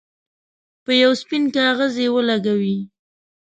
په یو سپین کاغذ یې ولګوئ.